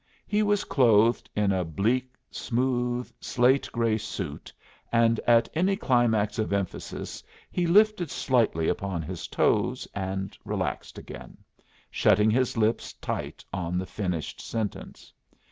He was clothed in a bleak, smooth slate gray suit, and at any climax of emphasis he lifted slightly upon his toes and relaxed again, shutting his lips tight on the finished sentence.